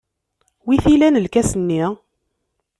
Wi t-ilan lkas-nni?